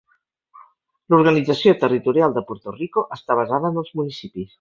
L'organització territorial de Puerto Rico està basada en els municipis.